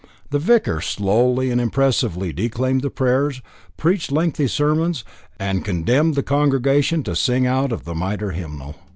The Vicar slowly and impressively declaimed the prayers, preached lengthy sermons, and condemned the congregation to sing out of the Mitre hymnal.